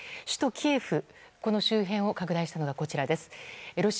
首都キエフ、この周辺を拡大したのが、こちらです。